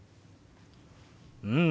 うん！